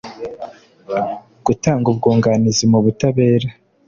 gutanga ubwunganizi mu butabera